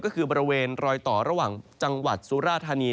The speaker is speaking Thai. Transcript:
ก็คือบริเวณรอยต่อระหว่างจังหวัดสุราธานี